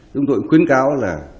chúng tôi khuyến cáo là